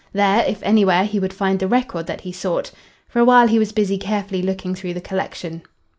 There, if anywhere, he would find the record that he sought. For awhile he was busy carefully looking through the collection.